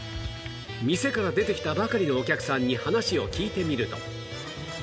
店から出てきたばかりのお客さんに話を聞いてみると